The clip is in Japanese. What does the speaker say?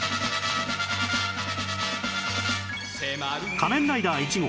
仮面ライダー１号